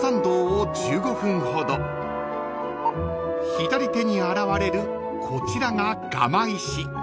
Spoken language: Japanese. ［左手に現れるこちらがガマ石］